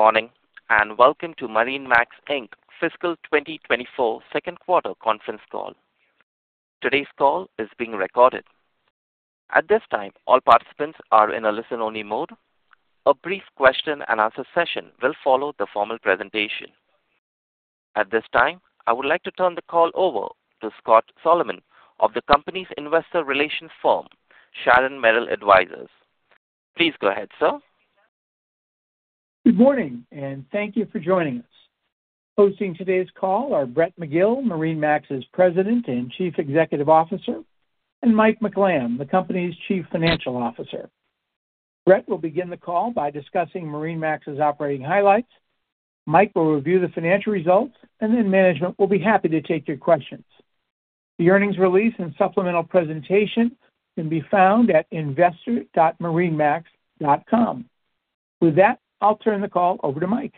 Good morning, and welcome to MarineMax, Inc fiscal 2024 second quarter conference call. Today's call is being recorded. At this time, all participants are in a listen-only mode. A brief question-and-answer session will follow the formal presentation. At this time, I would like to turn the call over to Scott Solomon of the company's investor relations firm, Sharon Merrill Advisors. Please go ahead, sir. Good morning, and thank you for joining us. Hosting today's call are Brett McGill, MarineMax's President and Chief Executive Officer, and Mike McLamb, the company's Chief Financial Officer. Brett will begin the call by discussing MarineMax's operating highlights. Mike will review the financial results, and then management will be happy to take your questions. The earnings release and supplemental presentation can be found at investor.marinemax.com. With that, I'll turn the call over to Mike.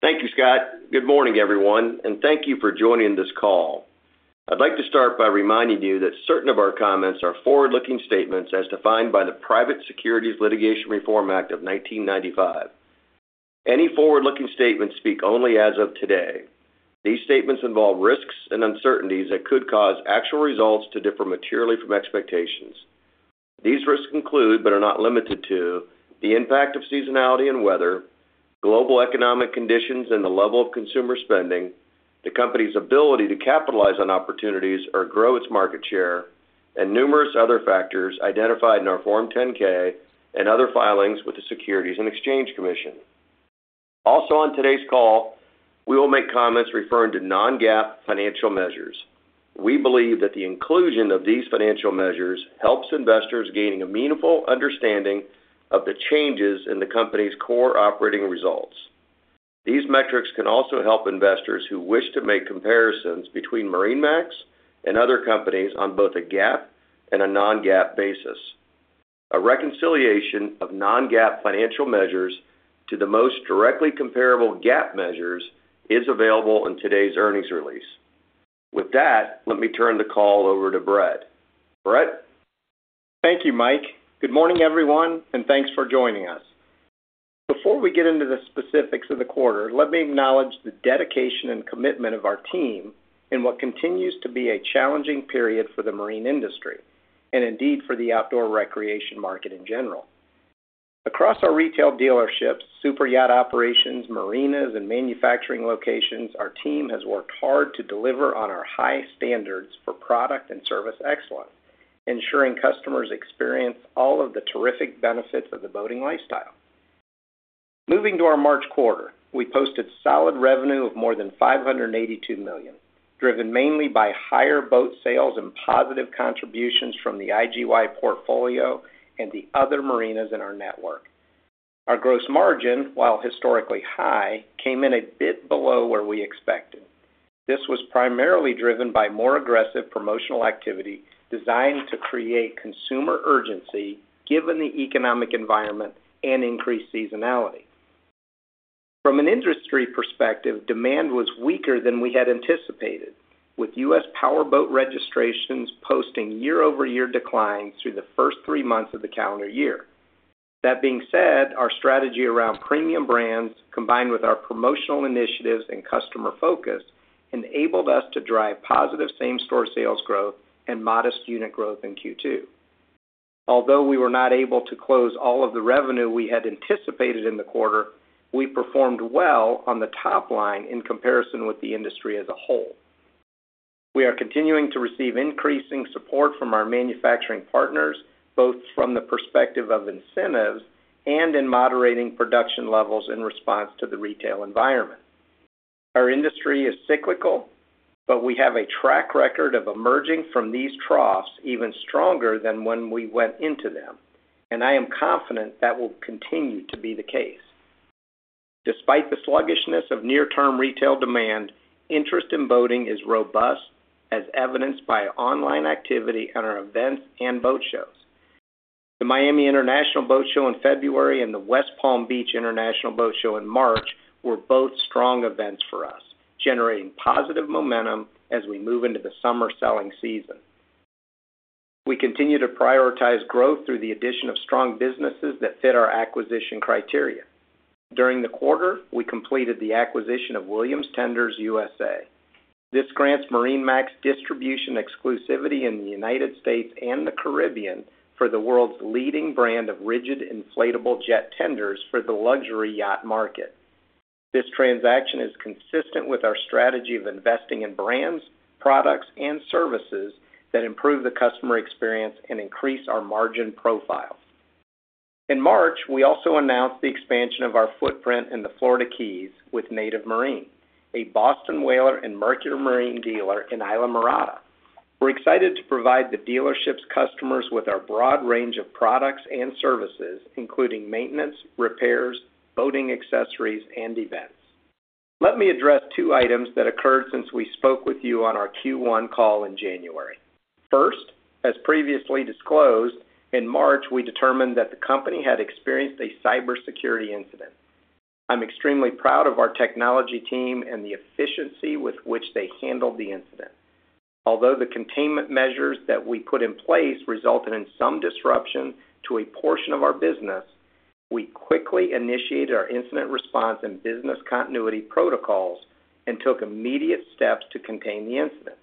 Thank you, Scott. Good morning, everyone, and thank you for joining this call. I'd like to start by reminding you that certain of our comments are forward-looking statements as defined by the Private Securities Litigation Reform Act of 1995. Any forward-looking statements speak only as of today. These statements involve risks and uncertainties that could cause actual results to differ materially from expectations. These risks include, but are not limited to, the impact of seasonality and weather, global economic conditions, and the level of consumer spending, the company's ability to capitalize on opportunities or grow its market share, and numerous other factors identified in our Form 10-K and other filings with the Securities and Exchange Commission. Also on today's call, we will make comments referring to non-GAAP financial measures. We believe that the inclusion of these financial measures helps investors gaining a meaningful understanding of the changes in the company's core operating results. These metrics can also help investors who wish to make comparisons between MarineMax and other companies on both a GAAP and a non-GAAP basis. A reconciliation of non-GAAP financial measures to the most directly comparable GAAP measures is available in today's earnings release. With that, let me turn the call over to Brett. Brett? Thank you, Mike. Good morning, everyone, and thanks for joining us. Before we get into the specifics of the quarter, let me acknowledge the dedication and commitment of our team in what continues to be a challenging period for the marine industry and indeed for the outdoor recreation market in general. Across our retail dealerships, superyacht operations, marinas, and manufacturing locations, our team has worked hard to deliver on our high standards for product and service excellence, ensuring customers experience all of the terrific benefits of the boating lifestyle. Moving to our March quarter, we posted solid revenue of more than $582 million, driven mainly by higher boat sales and positive contributions from the IGY portfolio and the other marinas in our network. Our gross margin, while historically high, came in a bit below where we expected. This was primarily driven by more aggressive promotional activity designed to create consumer urgency, given the economic environment and increased seasonality. From an industry perspective, demand was weaker than we had anticipated, with US powerboat registrations posting year-over-year declines through the first three months of the calendar year. That being said, our strategy around premium brands, combined with our promotional initiatives and customer focus, enabled us to drive positive same-store sales growth and modest unit growth in Q2. Although we were not able to close all of the revenue we had anticipated in the quarter, we performed well on the top line in comparison with the industry as a whole. We are continuing to receive increasing support from our manufacturing partners, both from the perspective of incentives and in moderating production levels in response to the retail environment. Our industry is cyclical, but we have a track record of emerging from these troughs even stronger than when we went into them, and I am confident that will continue to be the case. Despite the sluggishness of near-term retail demand, interest in boating is robust, as evidenced by online activity at our events and boat shows. The Miami International Boat Show in February and the West Palm Beach International Boat Show in March were both strong events for us, generating positive momentum as we move into the summer selling season. We continue to prioritize growth through the addition of strong businesses that fit our acquisition criteria. During the quarter, we completed the acquisition of Williams Tenders USA. This grants MarineMax distribution exclusivity in the United States and the Caribbean for the world's leading brand of rigid, inflatable jet tenders for the luxury yacht market. This transaction is consistent with our strategy of investing in brands, products, and services that improve the customer experience and increase our margin profile. In March, we also announced the expansion of our footprint in the Florida Keys with Native Marine, a Boston Whaler and Mercury Marine dealer in Islamorada. We're excited to provide the dealership's customers with our broad range of products and services, including maintenance, repairs, boating accessories, and events. Let me address two items that occurred since we spoke with you on our Q1 call in January. First, as previously disclosed, in March, we determined that the company had experienced a cybersecurity incident. I'm extremely proud of our technology team and the efficiency with which they handled the incident. Although the containment measures that we put in place resulted in some disruption to a portion of our business, we quickly initiated our incident response and business continuity protocols and took immediate steps to contain the incident.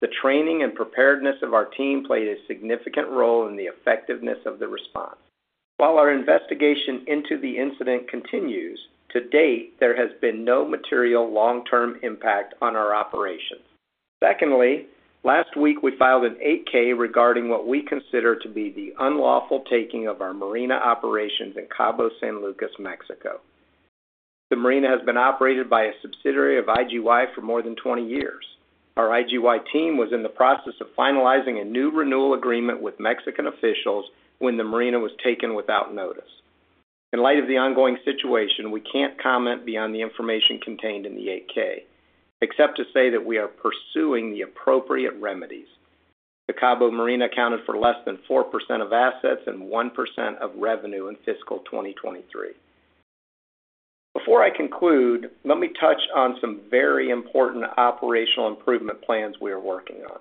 The training and preparedness of our team played a significant role in the effectiveness of the response. While our investigation into the incident continues, to date, there has been no material long-term impact on our operations. Secondly, last week, we filed an 8-K regarding what we consider to be the unlawful taking of our marina operations in Cabo San Lucas, Mexico. The marina has been operated by a subsidiary of IGY for more than 20 years. Our IGY team was in the process of finalizing a new renewal agreement with Mexican officials when the marina was taken without notice. In light of the ongoing situation, we can't comment beyond the information contained in the 8-K, except to say that we are pursuing the appropriate remedies. The Cabo Marina accounted for less than 4% of assets and 1% of revenue in fiscal 2023. Before I conclude, let me touch on some very important operational improvement plans we are working on.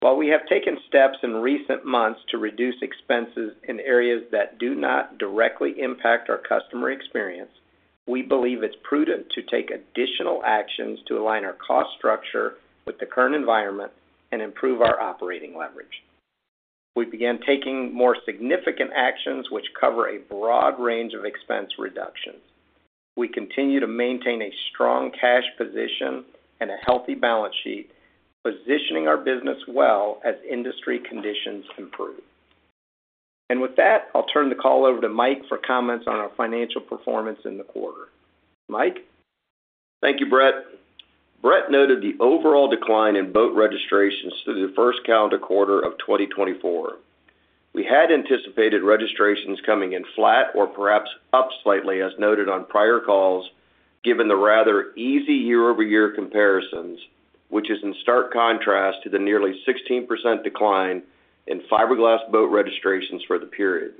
While we have taken steps in recent months to reduce expenses in areas that do not directly impact our customer experience, we believe it's prudent to take additional actions to align our cost structure with the current environment and improve our operating leverage. We began taking more significant actions, which cover a broad range of expense reductions. We continue to maintain a strong cash position and a healthy balance sheet, positioning our business well as industry conditions improve. With that, I'll turn the call over to Mike for comments on our financial performance in the quarter. Mike? Thank you, Brett. Brett noted the overall decline in boat registrations through the first calendar quarter of 2024. We had anticipated registrations coming in flat or perhaps up slightly, as noted on prior calls, given the rather easy year-over-year comparisons, which is in stark contrast to the nearly 16% decline in fiberglass boat registrations for the period.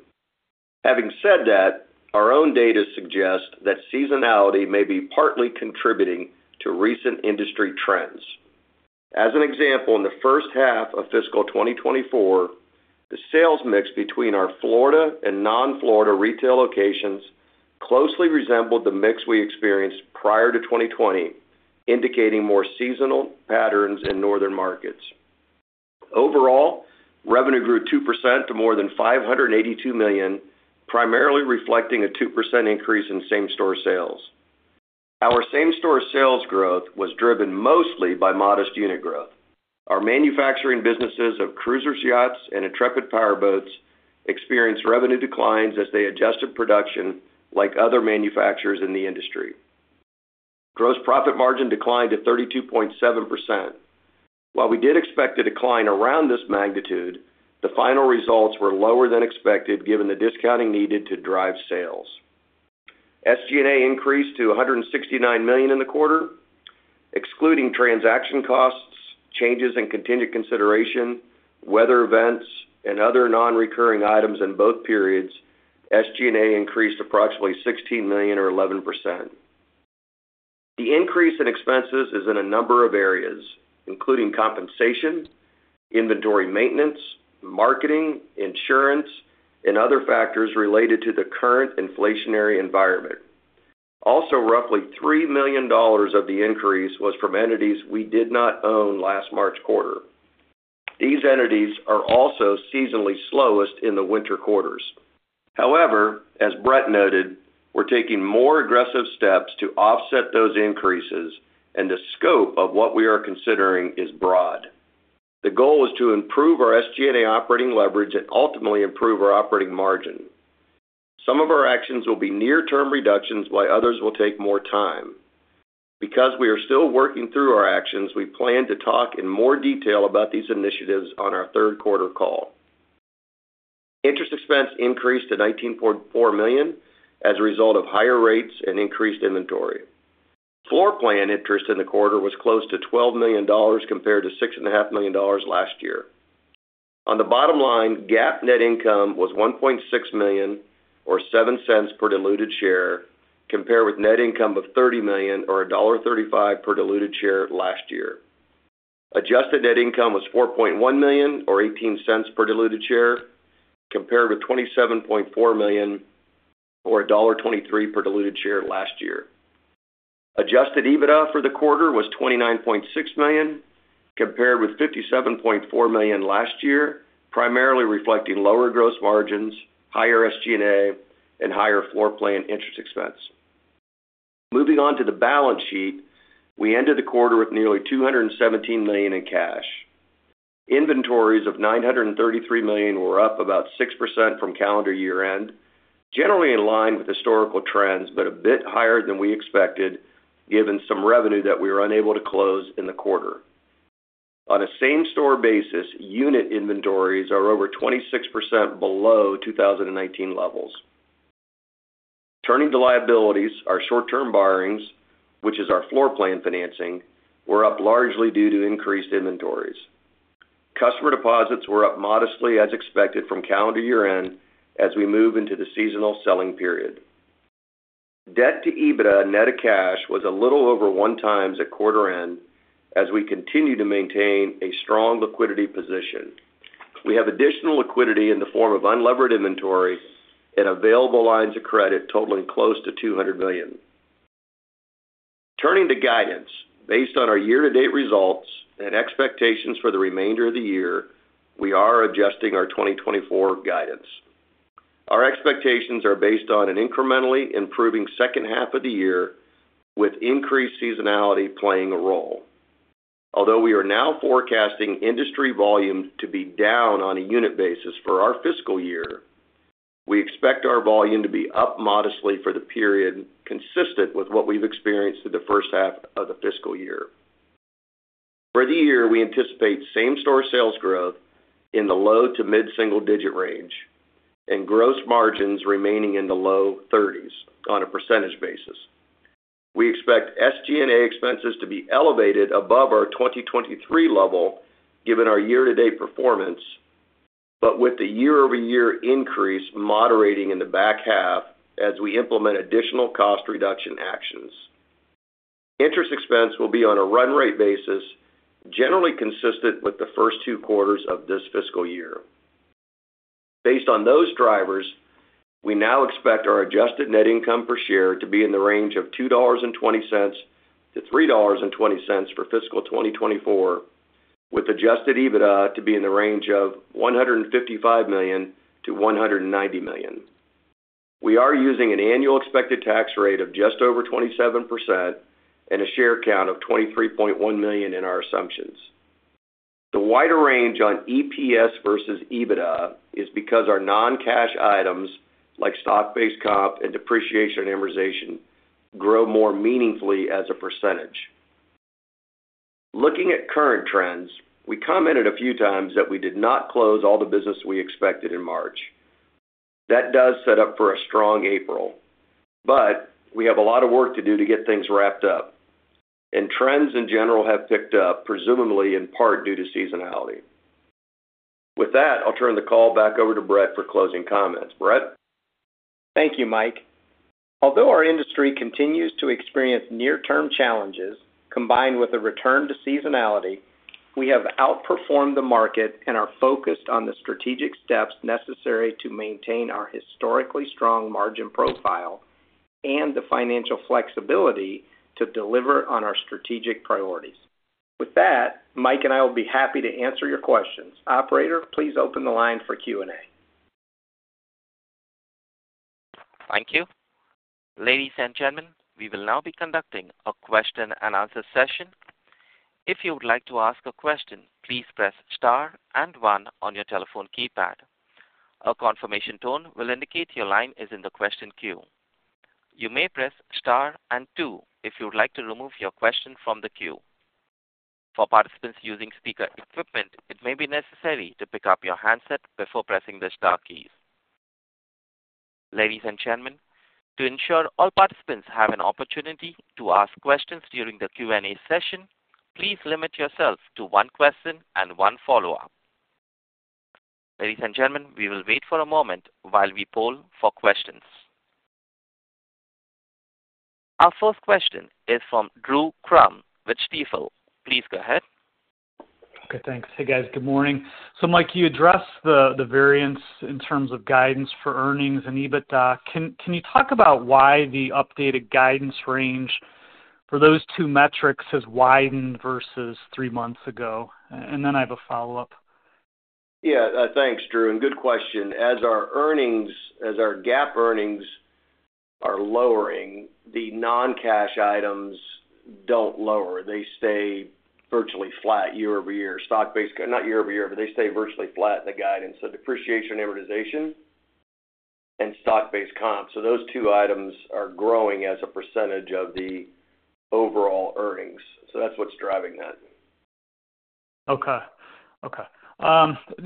Having said that, our own data suggests that seasonality may be partly contributing to recent industry trends. As an example, in the first half of fiscal 2024, the sales mix between our Florida and non-Florida retail locations closely resembled the mix we experienced prior to 2020, indicating more seasonal patterns in northern markets. Overall, revenue grew 2% to more than $582 million, primarily reflecting a 2% increase in same-store sales. Our same-store sales growth was driven mostly by modest unit growth. Our manufacturing businesses of Cruisers Yachts and Intrepid Powerboats experienced revenue declines as they adjusted production like other manufacturers in the industry. Gross profit margin declined to 32.7%. While we did expect a decline around this magnitude, the final results were lower than expected, given the discounting needed to drive sales. SG&A increased to $169 million in the quarter. Excluding transaction costs, changes in contingent consideration, weather events, and other non-recurring items in both periods, SG&A increased approximately $16 million or 11%. The increase in expenses is in a number of areas, including compensation, inventory maintenance, marketing, insurance, and other factors related to the current inflationary environment. Also, roughly $3 million of the increase was from entities we did not own last March quarter. These entities are also seasonally slowest in the winter quarters. However, as Brett noted, we're taking more aggressive steps to offset those increases, and the scope of what we are considering is broad. The goal is to improve our SG&A operating leverage and ultimately improve our operating margin. Some of our actions will be near-term reductions, while others will take more time. Because we are still working through our actions, we plan to talk in more detail about these initiatives on our third quarter call. Interest expense increased to $19.4 million as a result of higher rates and increased inventory. Floorplan interest in the quarter was close to $12 million compared to $6.5 million last year. On the bottom line, GAAP net income was $1.6 million, or $0.07 per diluted share, compared with net income of $30 million, or $1.35 per diluted share last year. Adjusted net income was $4.1 million, or $0.18 per diluted share, compared with $27.4 million, or $1.23 per diluted share last year. Adjusted EBITDA for the quarter was $29.6 million, compared with $57.4 million last year, primarily reflecting lower gross margins, higher SG&A, and higher floorplan interest expense. Moving on to the balance sheet. We ended the quarter with nearly $217 million in cash. Inventories of $933 million were up about 6% from calendar year-end, generally in line with historical trends, but a bit higher than we expected, given some revenue that we were unable to close in the quarter. On a same-store basis, unit inventories are over 26% below 2019 levels. Turning to liabilities, our short-term borrowings, which is our floorplan financing, were up largely due to increased inventories. Customer deposits were up modestly as expected from calendar year-end as we move into the seasonal selling period. Debt to EBITDA net of cash was a little over 1x at quarter end as we continue to maintain a strong liquidity position. We have additional liquidity in the form of unlevered inventory and available lines of credit totaling close to $200 million. Turning to guidance, based on our year-to-date results and expectations for the remainder of the year, we are adjusting our 2024 guidance. Our expectations are based on an incrementally improving second half of the year, with increased seasonality playing a role. Although we are now forecasting industry volume to be down on a unit basis for our fiscal year, we expect our volume to be up modestly for the period, consistent with what we've experienced in the first half of the fiscal year. For the year, we anticipate same-store sales growth in the low- to mid-single-digit range and gross margins remaining in the low 30s on a percentage basis. We expect SG&A expenses to be elevated above our 2023 level, given our year-to-date performance, but with the year-over-year increase moderating in the back half as we implement additional cost reduction actions. Interest expense will be on a run rate basis, generally consistent with the first two quarters of this fiscal year. Based on those drivers, we now expect our adjusted net income per share to be in the range of $2.20-$3.20 for fiscal 2024, with adjusted EBITDA to be in the range of $155 million-$190 million. We are using an annual expected tax rate of just over 27% and a share count of 23.1 million in our assumptions. The wider range on EPS versus EBITDA is because our non-cash items, like stock-based comp and depreciation amortization, grow more meaningfully as a percentage. Looking at current trends, we commented a few times that we did not close all the business we expected in March. That does set up for a strong April, but we have a lot of work to do to get things wrapped up, and trends in general have picked up, presumably in part due to seasonality. With that, I'll turn the call back over to Brett for closing comments. Brett? Thank you, Mike. Although our industry continues to experience near-term challenges, combined with a return to seasonality, we have outperformed the market and are focused on the strategic steps necessary to maintain our historically strong margin profile and the financial flexibility to deliver on our strategic priorities. With that, Mike and I will be happy to answer your questions. Operator, please open the line for Q&A. Thank you. Ladies and gentlemen, we will now be conducting a question-and-answer session. If you would like to ask a question, please press star and one on your telephone keypad. A confirmation tone will indicate your line is in the question queue. You may press star and two if you would like to remove your question from the queue. For participants using speaker equipment, it may be necessary to pick up your handset before pressing the star keys. Ladies and gentlemen, to ensure all participants have an opportunity to ask questions during the Q&A session, please limit yourself to one question and one follow-up. Ladies and gentlemen, we will wait for a moment while we poll for questions. Our first question is from Drew Crum with Stifel. Please go ahead. Okay, thanks. Hey, guys. Good morning. So Mike, you addressed the variance in terms of guidance for earnings and EBITDA. Can you talk about why the updated guidance range for those two metrics has widened versus three months ago? And then I have a follow-up. Yeah. Thanks, Drew, and good question. As our earnings, as our GAAP earnings are lowering, the non-cash items don't lower. They stay virtually flat year-over-year. Stock-based--not year-over-year, but they stay virtually flat in the guidance. So depreciation and amortization and stock-based comp. So those two items are growing as a percentage of the overall earnings, so that's what's driving that. Okay. Okay,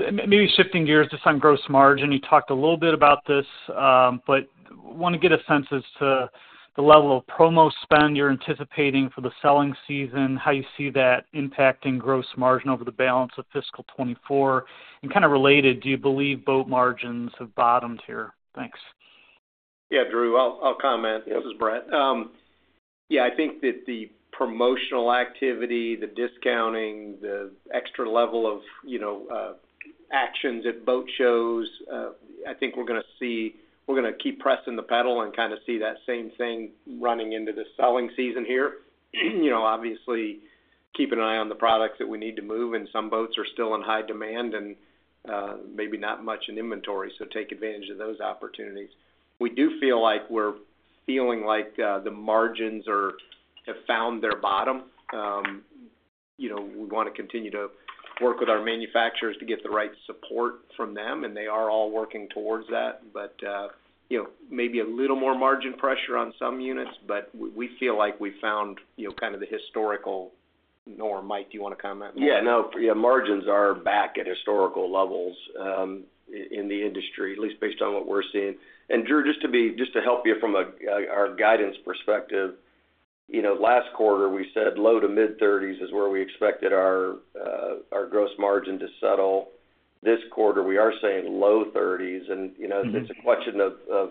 maybe shifting gears just on gross margin. You talked a little bit about this, but want to get a sense as to the level of promo spend you're anticipating for the selling season, how you see that impacting gross margin over the balance of fiscal 2024, and kind of related, do you believe boat margins have bottomed here? Thanks. Yeah, Drew. I'll comment. This is Brett. Yeah, I think that the promotional activity, the discounting, the extra level of, you know, actions at boat shows, I think we're going to see, we're going to keep pressing the pedal and kind of see that same thing running into the selling season here. You know, obviously, keeping an eye on the products that we need to move, and some boats are still in high demand and, maybe not much in inventory, so take advantage of those opportunities. We do feel like we're feeling like, the margins have found their bottom. You know, we want to continue to work with our manufacturers to get the right support from them, and they are all working towards that. But, you know, maybe a little more margin pressure on some units, but we feel like we found, you know, kind of the historical norm. Mike, do you want to comment? Yeah, no. Yeah, margins are back at historical levels in the industry, at least based on what we're seeing. And Drew, just to help you from a our guidance perspective, you know, last quarter, we said low to mid-30s is where we expected our gross margin to settle. This quarter, we are saying low 30s. And, you know, it's a question of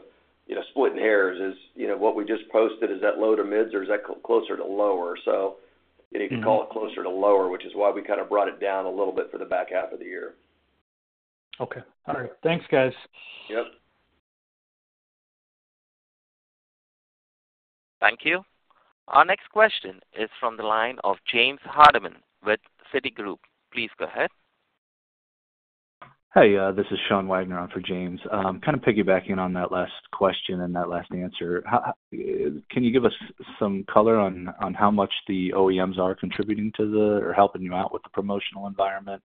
splitting hairs, you know, what we just posted, is that low to mids, or is that closer to lower? So you can call it closer to lower, which is why we kind of brought it down a little bit for the back half of the year. Okay. All right. Thanks, guys. Yep. Thank you. Our next question is from the line of James Hardiman with Citigroup. Please go ahead. Hey, this is Sean Wagner on for James. Kind of piggybacking on that last question and that last answer, how can you give us some color on how much the OEMs are contributing to the, or helping you out with the promotional environment?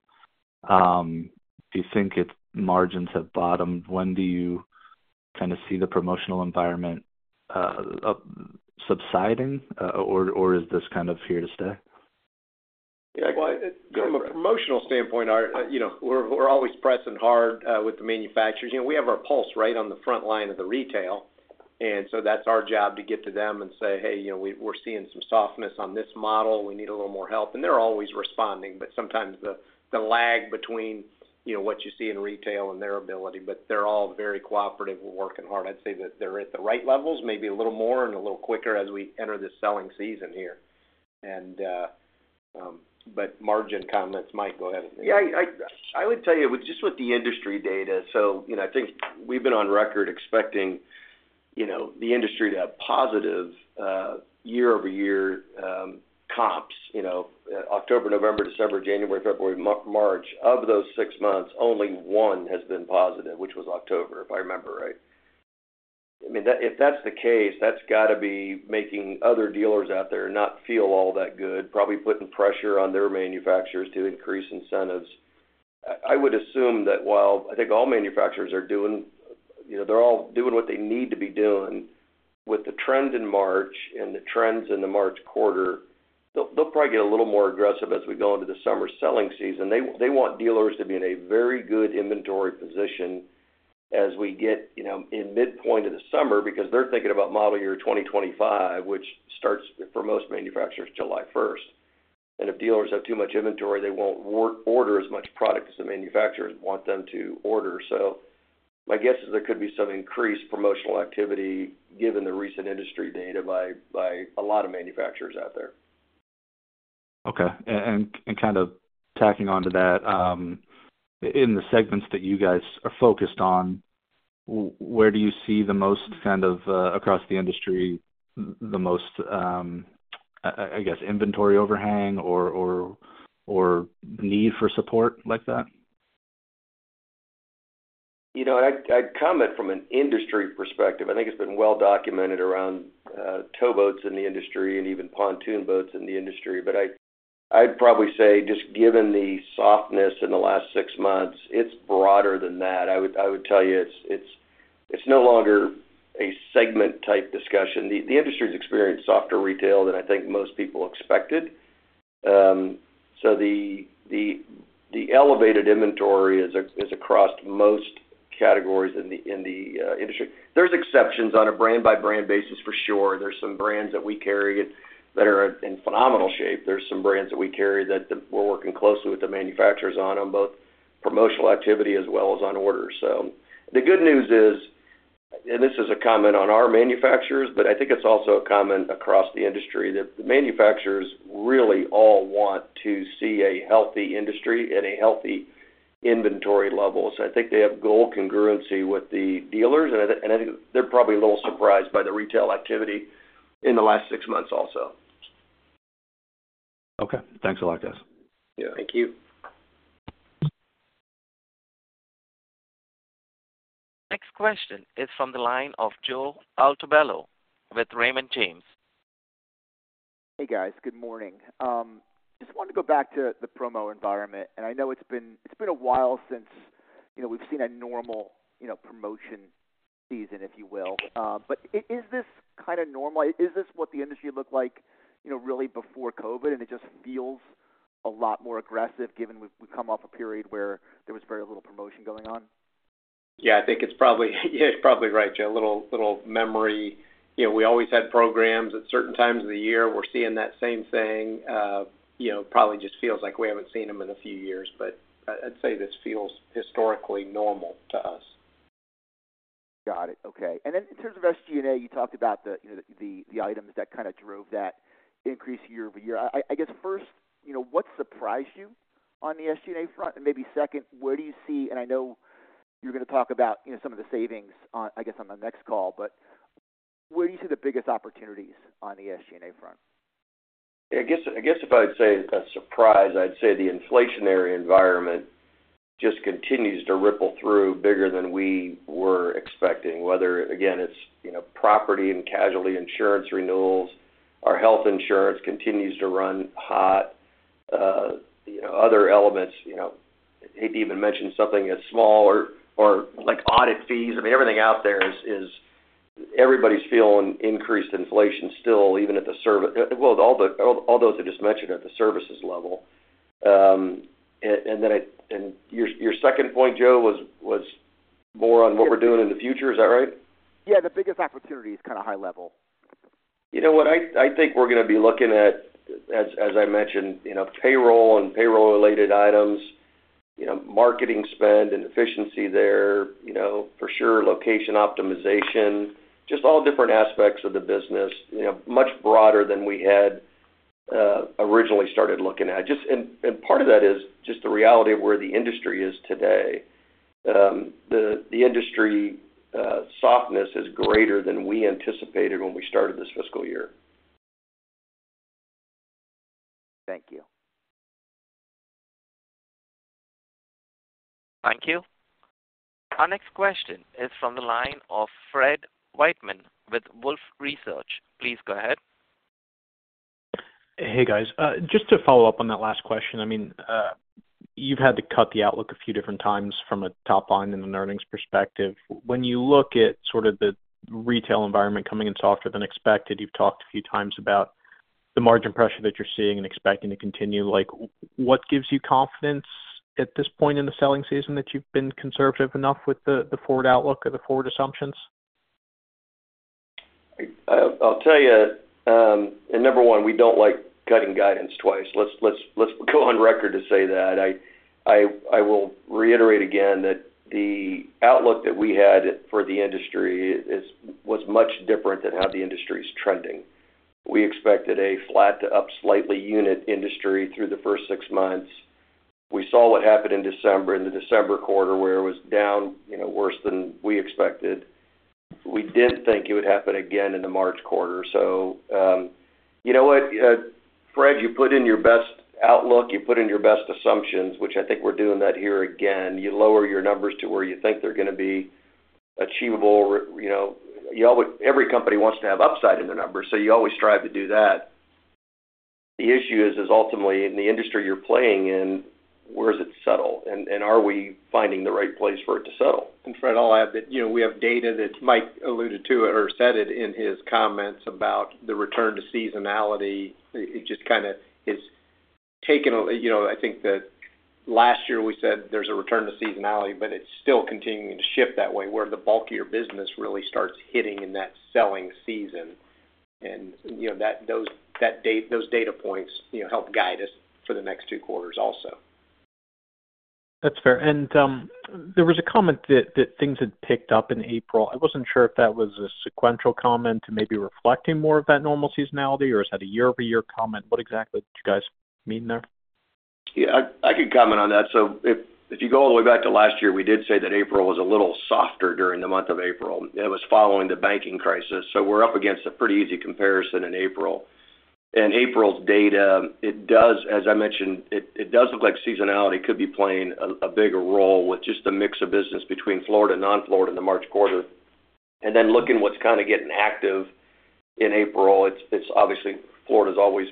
Do you think its margins have bottomed? When do you kind of see the promotional environment subsiding, or is this kind of here to stay? Yeah, well, from a promotional standpoint, you know, we're always pressing hard with the manufacturers. You know, we have our pulse right on the front line of the retail, and so that's our job to get to them and say, "Hey, you know, we're seeing some softness on this model. We need a little more help." And they're always responding, but sometimes the lag between, you know, what you see in retail and their ability, but they're all very cooperative. We're working hard. I'd say that they're at the right levels, maybe a little more and a little quicker as we enter this selling season here. But margin comments, Mike, go ahead. Yeah, I, I would tell you, with just with the industry data, so, you know, I think we've been on record expecting, you know, the industry to have positive, year-over-year, comps, you know, October, November, December, January, February, March. Of those six months, only one has been positive, which was October, if I remember right. I mean, that if that's the case, that's got to be making other dealers out there not feel all that good, probably putting pressure on their manufacturers to increase incentives. I, I would assume that while I think all manufacturers are doing. You know, they're all doing what they need to be doing. With the trend in March and the trends in the March quarter, they'll, they'll probably get a little more aggressive as we go into the summer selling season. They want dealers to be in a very good inventory position as we get, you know, in midpoint of the summer, because they're thinking about model year 2025, which starts, for most manufacturers, July 1. And if dealers have too much inventory, they won't order as much product as the manufacturers want them to order. So my guess is there could be some increased promotional activity, given the recent industry data by a lot of manufacturers out there. Okay. And kind of tacking onto that, in the segments that you guys are focused on, where do you see the most kind of, across the industry, the most, I guess, inventory overhang or need for support like that? You know, I'd comment from an industry perspective. I think it's been well documented around towboats in the industry and even pontoon boats in the industry. But I'd probably say, just given the softness in the last six months, it's broader than that. I would tell you, it's no longer a segment-type discussion. The industry has experienced softer retail than I think most people expected. So the elevated inventory is across most categories in the industry. There's exceptions on a brand-by-brand basis, for sure. There's some brands that we carry that are in phenomenal shape. There's some brands that we carry that we're working closely with the manufacturers on both promotional activity as well as on orders. So the good news is, and this is a comment on our manufacturers, but I think it's also a comment across the industry, that the manufacturers really all want to see a healthy industry and a healthy inventory level. So I think they have goal congruency with the dealers, and I, and I think they're probably a little surprised by the retail activity in the last six months also. Okay. Thanks a lot, guys. Yeah. Thank you. Next question is from the line of Joe Altobello with Raymond James. Hey, guys. Good morning. Just wanted to go back to the promo environment, and I know it's been a while since, you know, we've seen a normal, you know, promotion season, if you will. But is this kind of normal? Is this what the industry looked like, you know, really before COVID, and it just feels a lot more aggressive, given we've come off a period where there was very little promotion going on? Yeah, I think it's probably, yeah, you're probably right, Joe. A little, little memory. You know, we always had programs at certain times of the year. We're seeing that same thing. You know, probably just feels like we haven't seen them in a few years, but I'd, I'd say this feels historically normal to us. Got it. Okay. Then in terms of SG&A, you talked about the, you know, the items that kind of drove that increase year-over-year. I guess, first, you know, what surprised you on the SG&A front? And maybe second, where do you see, and I know you're going to talk about, you know, some of the savings, I guess, on the next call, but where do you see the biggest opportunities on the SG&A front? I guess, I guess if I'd say a surprise, I'd say the inflationary environment just continues to ripple through bigger than we were expecting. Whether, again, it's, you know, property and casualty insurance renewals, our health insurance continues to run hot, you know, other elements, you know, I'd even mention something as small or like audit fees. I mean, everything out there is. Everybody's feeling increased inflation still, even at the services level, all those I just mentioned. And then I and your second point, Joe, was?. more on what we're doing in the future. Is that right? Yeah, the biggest opportunity is kind of high level. You know what? I think we're gonna be looking at, as I mentioned, you know, payroll and payroll-related items, you know, marketing spend and efficiency there, you know, for sure, location optimization, just all different aspects of the business, you know, much broader than we had originally started looking at. Just and part of that is just the reality of where the industry is today. The industry softness is greater than we anticipated when we started this fiscal year. Thank you. Thank you. Our next question is from the line of Fred Wightman with Wolfe Research. Please go ahead. Hey, guys. Just to follow up on that last question, I mean, you've had to cut the outlook a few different times from a top line and an earnings perspective. When you look at sort of the retail environment coming in softer than expected, you've talked a few times about the margin pressure that you're seeing and expecting to continue, like, what gives you confidence at this point in the selling season, that you've been conservative enough with the forward outlook or the forward assumptions? I'll tell you, and number one, we don't like cutting guidance twice. Let's go on record to say that. I will reiterate again that the outlook that we had for the industry is- was much different than how the industry is trending. We expected a flat to up slightly unit industry through the first six months. We saw what happened in December, in the December quarter, where it was down, you know, worse than we expected. We did think it would happen again in the March quarter. So, you know what, Fred, you put in your best outlook, you put in your best assumptions, which I think we're doing that here again. You lower your numbers to where you think they're gonna be achievable. You know, you always, every company wants to have upside in their numbers, so you always strive to do that. The issue is ultimately in the industry you're playing in, where does it settle? And are we finding the right place for it to settle? And Fred, I'll add that, you know, we have data that Mike alluded to or said it in his comments about the return to seasonality. It just kind of is taken, you know, I think that last year we said there's a return to seasonality, but it's still continuing to shift that way, where the bulk of your business really starts hitting in that selling season. And, you know, that, those, that date, those data points, you know, help guide us for the next two quarters also. That's fair. There was a comment that things had picked up in April. I wasn't sure if that was a sequential comment, maybe reflecting more of that normal seasonality, or is that a year-over-year comment? What exactly did you guys mean there? Yeah, I could comment on that. So if you go all the way back to last year, we did say that April was a little softer during the month of April. It was following the banking crisis, so we're up against a pretty easy comparison in April. And April's data, as I mentioned, it does look like seasonality could be playing a bigger role with just the mix of business between Florida and non-Florida in the March quarter. And then looking what's kind of getting active in April, it's obviously, Florida is always,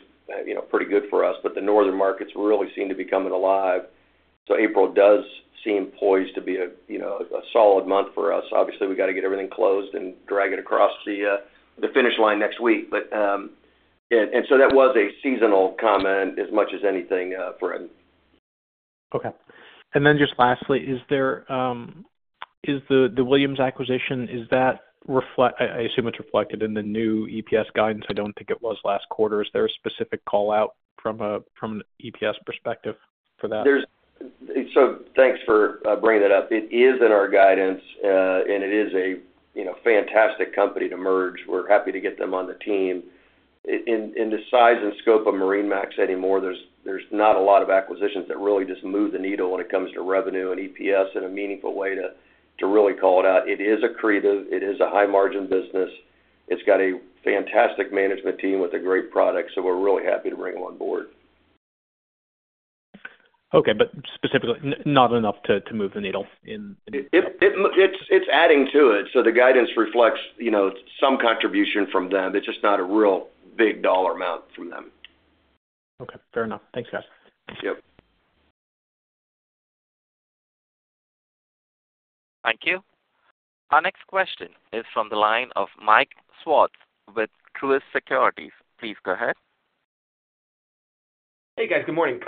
you know, pretty good for us, but the northern markets really seem to be coming alive. So April does seem poised to be a, you know, a solid month for us. Obviously, we got to get everything closed and drag it across the finish line next week. But, and so that was a seasonal comment as much as anything, Fred. Okay. And then just lastly, is there, is the Williams acquisition, is that reflected? I assume it's reflected in the new EPS guidance. I don't think it was last quarter. Is there a specific call-out from an EPS perspective for that? So thanks for bringing that up. It is in our guidance, and it is a, you know, fantastic company to merge. We're happy to get them on the team. In the size and scope of MarineMax anymore, there's not a lot of acquisitions that really just move the needle when it comes to revenue and EPS in a meaningful way to really call it out. It is accretive, it is a high-margin business. It's got a fantastic management team with a great product, so we're really happy to bring them on board. Okay, but specifically, not enough to move the needle in- It's adding to it, so the guidance reflects, you know, some contribution from them. It's just not a real big dollar amount from them. Okay, fair enough. Thanks, guys. Thank you. Thank you. Our next question is from the line of Mike Swartz with Truist Securities. Please go ahead. Hey, guys, good morning.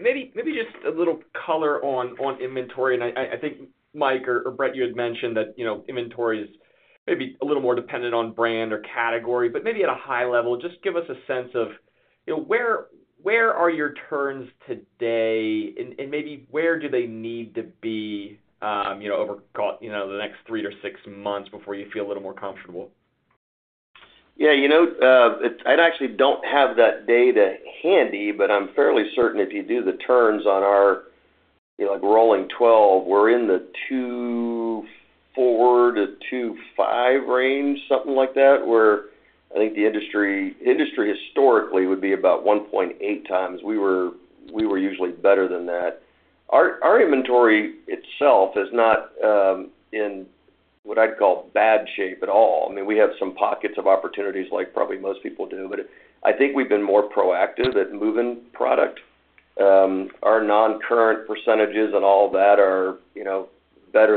Maybe just a little color on inventory. And I think Mike or Brett, you had mentioned that, you know, inventory is maybe a little more dependent on brand or category, but maybe at a high level, just give us a sense of, you know, where are your turns today, and maybe where do they need to be, you know, over the next three-six months before you feel a little more comfortable? Yeah, you know, it's, I actually don't have that data handy, but I'm fairly certain if you do the turns on our, like, rolling twelve, we're in the 2.4-2.5 range, something like that, where I think the industry historically would be about 1.8x. We were usually better than that. Our inventory itself is not in what I'd call bad shape at all. I mean, we have some pockets of opportunities, like probably most people do, but I think we've been more proactive at moving product. And,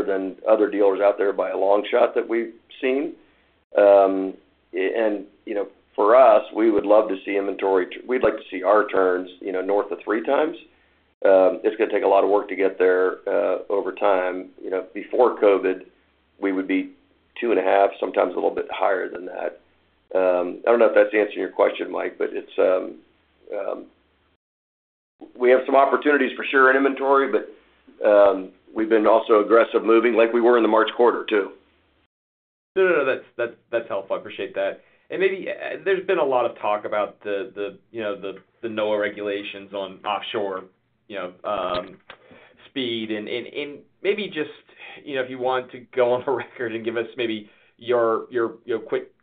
you know, for us, we would love to see inventory, we'd like to see our turns, you know, north of 3x. It's gonna take a lot of work to get there, over time. You know, before COVID, we would be 2.5, sometimes a little bit higher than that. I don't know if that's answering your question, Mike, but it's, we have some opportunities for sure in inventory, but, we've been also aggressive moving, like we were in the March quarter, too. No, no, no, that's, that's, that's helpful. I appreciate that. And maybe there's been a lot of talk about the you know the NOAA regulations on offshore you know speed. And maybe just you know if you want to go on record and give us maybe your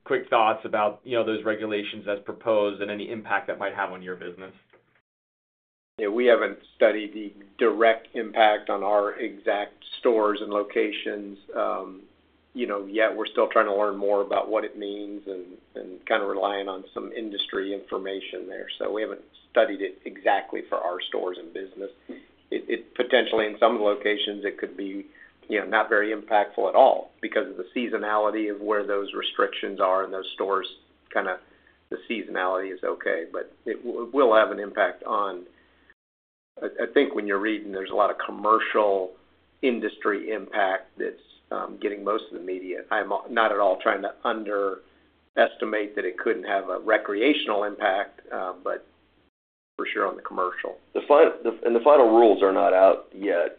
quick thoughts about you know those regulations as proposed and any impact that might have on your business. Yeah, we haven't studied the direct impact on our exact stores and locations, you know, yet. We're still trying to learn more about what it means and kind of relying on some industry information there. So we haven't studied it exactly for our stores and business. It potentially, in some locations, it could be, you know, not very impactful at all because of the seasonality of where those restrictions are, and those stores kind of, the seasonality is okay. But it will have an impact on. I think when you're reading, there's a lot of commercial industry impact that's getting most of the media. I'm not at all trying to underestimate that it couldn't have a recreational impact, but for sure on the commercial. The final rules are not out yet,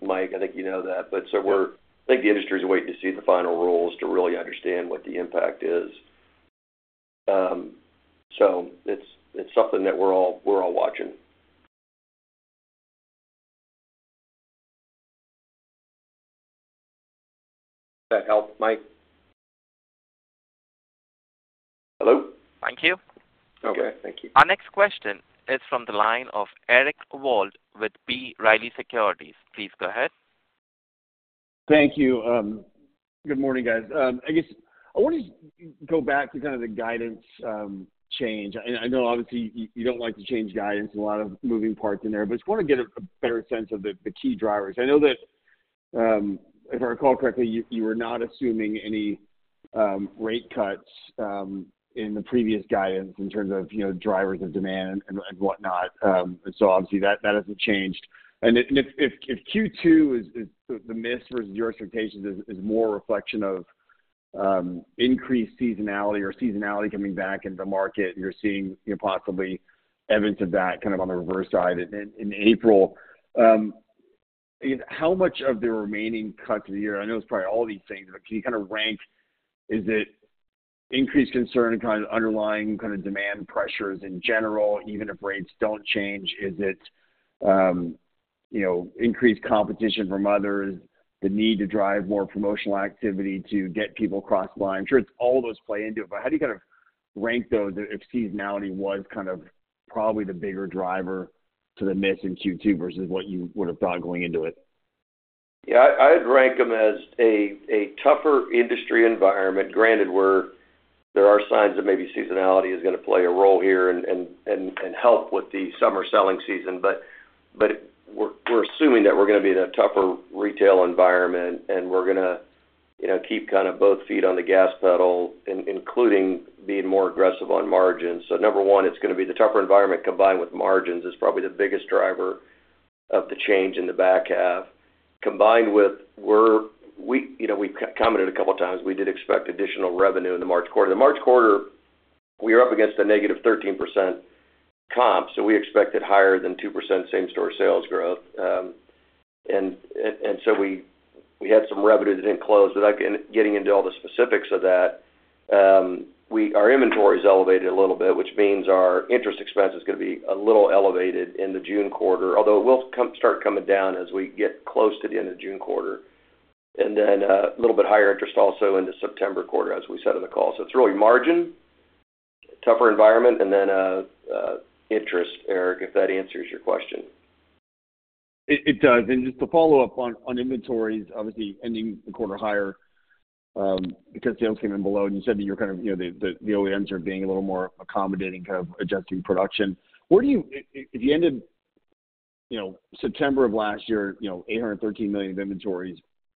Mike, I think you know that. I think the industry is waiting to see the final rules to really understand what the impact is. So it's, it's something that we're all, we're all watching. Does that help, Mike? Hello? Thank you. Okay, thank you. Our next question is from the line of Eric Wold with B. Riley Securities. Please go ahead. Thank you. Good morning, guys. I guess I want to go back to kind of the guidance change. And I know, obviously, you don't like to change guidance, a lot of moving parts in there, but just want to get a better sense of the key drivers. I know that, if I recall correctly, you were not assuming any rate cuts in the previous guidance in terms of, you know, drivers of demand and whatnot. And so obviously, that hasn't changed. And if Q2 is the miss versus your expectations is more a reflection of increased seasonality or seasonality coming back in the market, you're seeing, you know, possibly evidence of that kind of on the reverse side in April. How much of the remaining cuts of the year, I know it's probably all these things, but can you kind of rank? Is it increased concern and kind of underlying kind of demand pressures in general, even if rates don't change? Is it, you know, increased competition from others, the need to drive more promotional activity to get people cross-buy? I'm sure it's all of those play into it, but how do you kind of rank those if seasonality was kind of probably the bigger driver to the miss in Q2 versus what you would have thought going into it? Yeah, I'd rank them as a tougher industry environment. Granted, there are signs that maybe seasonality is gonna play a role here and help with the summer selling season. But we're assuming that we're gonna be in a tougher retail environment, and we're gonna, you know, keep kind of both feet on the gas pedal, including being more aggressive on margins. So number one, it's gonna be the tougher environment, combined with margins, is probably the biggest driver of the change in the back half, combined with we, you know, we've commented a couple of times, we did expect additional revenue in the March quarter. The March quarter, we are up against a -13% comp, so we expected higher than 2% same-store sales growth. So we had some revenue that didn't close. Without getting into all the specifics of that, our inventory is elevated a little bit, which means our interest expense is gonna be a little elevated in the June quarter, although it will start coming down as we get close to the end of the June quarter. And then, a little bit higher interest also in the September quarter, as we said on the call. So it's really margin, tougher environment, and then, interest, Eric, if that answers your question. It does. And just to follow up on inventories, obviously ending the quarter higher, because sales came in below, and you said that you're kind of, you know, the OEMs are being a little more accommodating, kind of adjusting production. Where do you at the end of, you know, September of last year, you know, $813 million of inventories,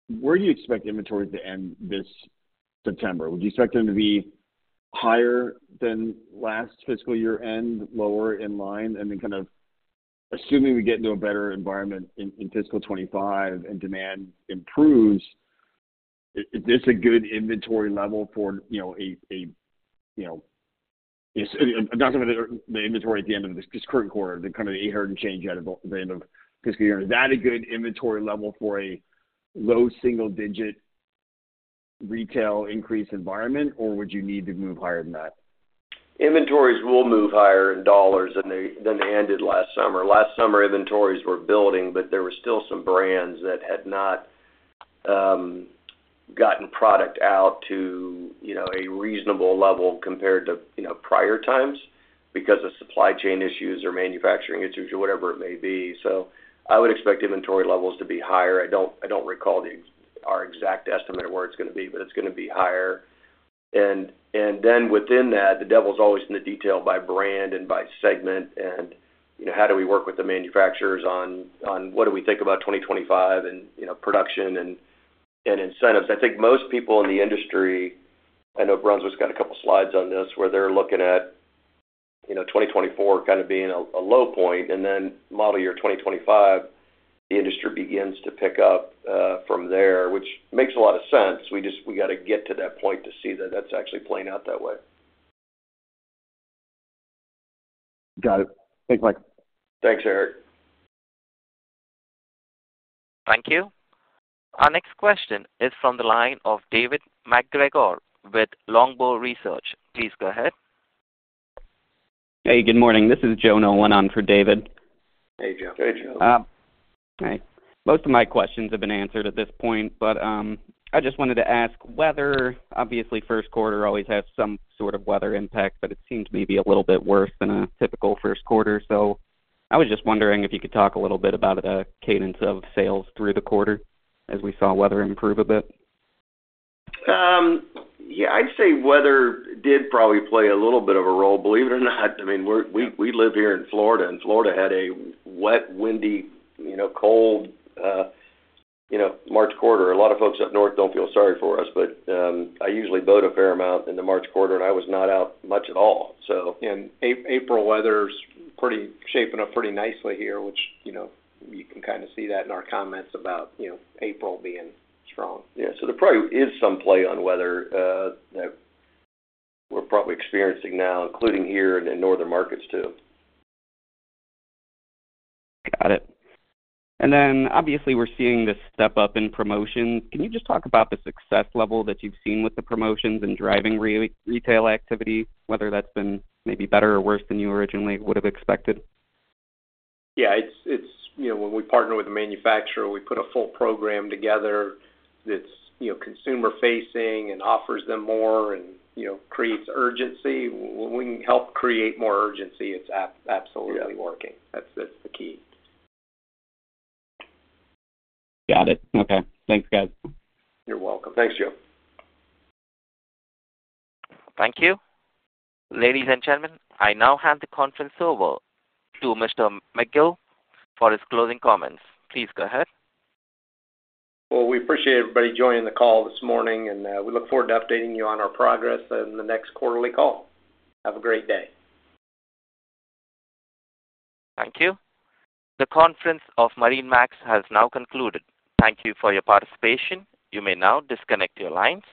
where do you expect inventory to end this September? Would you expect them to be higher than last fiscal year end, lower, in line? And then kind of, assuming we get into a better environment in fiscal 2025 and demand improves, is this a good inventory level for, you know, a, you know? I'm talking about the inventory at the end of this current quarter, the kind of $800 and change at the end of fiscal year. Is that a good inventory level for a low single-digit retail increase environment, or would you need to move higher than that? Inventories will move higher in dollars than they, than they ended last summer. Last summer, inventories were building, but there were still some brands that had not gotten product out to, you know, a reasonable level compared to, you know, prior times because of supply chain issues or manufacturing issues or whatever it may be. So I would expect inventory levels to be higher. I don't, I don't recall the, our exact estimate of where it's gonna be, but it's gonna be higher. And, and then within that, the devil is always in the detail by brand and by segment, and you know, how do we work with the manufacturers on, on what do we think about 2025 and, you know, production and, and incentives? I think most people in the industry, I know Brunswick's got a couple slides on this, where they're looking at, you know, 2024 kind of being a low point, and then model year 2025, the industry begins to pick up from there, which makes a lot of sense. We just—we got to get to that point to see that that's actually playing out that way. Got it. Thanks, Mike. Thanks, Eric. Thank you. Our next question is from the line of David MacGregor with Longbow Research. Please go ahead. Hey, good morning. This is Joe Nolan on for David. Hey, Joe. Hey, Joe. Hi. Most of my questions have been answered at this point, but I just wanted to ask whether obviously, first quarter always has some sort of weather impact, but it seems maybe a little bit worse than a typical first quarter. So I was just wondering if you could talk a little bit about the cadence of sales through the quarter as we saw weather improve a bit? Yeah, I'd say weather did probably play a little bit of a role, believe it or not. I mean, we live here in Florida, and Florida had a wet, windy, you know, cold, you know, March quarter. A lot of folks up north don't feel sorry for us, but, I usually boat a fair amount in the March quarter, and I was not out much at all, so- April weather's pretty, shaping up pretty nicely here, which, you know, you can kind of see that in our comments about, you know, April being strong. Yeah. So there probably is some play on weather that we're probably experiencing now, including here in the northern markets, too. Got it. And then, obviously, we're seeing this step up in promotions. Can you just talk about the success level that you've seen with the promotions and driving retail activity, whether that's been maybe better or worse than you originally would have expected? Yeah, it's you know, when we partner with a manufacturer, we put a full program together that's, you know, consumer-facing and offers them more and, you know, creates urgency. When we help create more urgency, it's absolutely working. Yeah. That's the key. Got it. Okay. Thanks, guys. You're welcome. Thanks, Joe. Thank you. Ladies and gentlemen, I now hand the conference over to Mr. McGill for his closing comments. Please go ahead. Well, we appreciate everybody joining the call this morning, and we look forward to updating you on our progress in the next quarterly call. Have a great day. Thank you. The conference of MarineMax has now concluded. Thank you for your participation. You may now disconnect your lines.